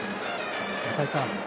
中居さん